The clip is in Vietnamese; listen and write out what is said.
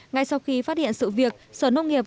ngay sau khi phát hiện sự việc sở nông nghiệp